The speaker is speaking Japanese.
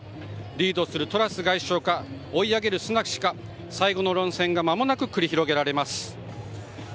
リードするトラス外相か追い上げるスナク氏か最後の論戦が間もなく繰り広げられます。